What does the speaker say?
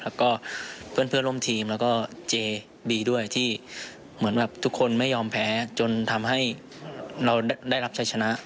แล้วก็เพื่อนร่วมทีมแล้วก็เจบีด้วยที่เหมือนแบบทุกคนไม่ยอมแพ้จนทำให้เราได้รับชัยชนะ